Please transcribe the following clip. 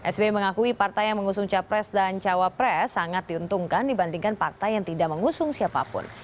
sbi mengakui partai yang mengusung capres dan cawapres sangat diuntungkan dibandingkan partai yang tidak mengusung siapapun